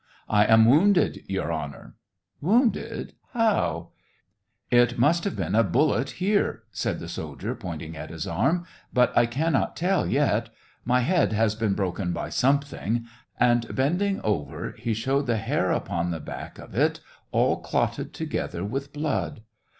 "I am wounded. Your Honor!" " Wounded } how t "It must have been a bullet, here !" said the soldier, pointing at his arm, " but I cannot tell 74 SEVASTOPOL IN MAY. yet. My head has been broken by something," and, bending over, he showed the hair upon the back of it all clotted together with blood.